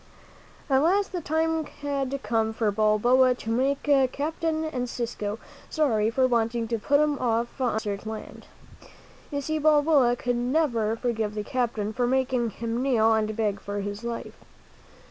At last the time had come for Balboa to make Captain Encisco sorry for wanting to put him off on a desert island. You see Balboa could never forgive the captain for making him kneel and beg for his life.